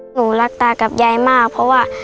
หนูรักตากับยายมากเพราะว่า